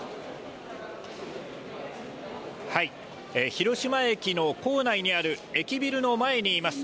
広島駅の構内にある駅ビルの前にいます。